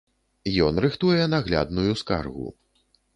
Ён рыхтуе наглядную скаргу.